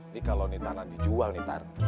ini kalau ini tanah dijual nih